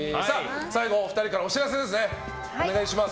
最後、お二人からお知らせお願いします。